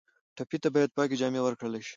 ټپي ته باید پاکې جامې ورکړل شي.